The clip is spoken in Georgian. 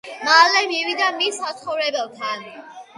მალე მივიდა მის საცხოვრებელთან